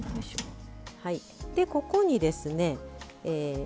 ここにですね